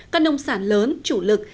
các nông sản lớn chủ lực